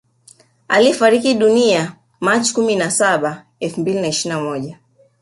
Aliyefariki dunia machi kumi na saba elfu mbili na ishirini na moja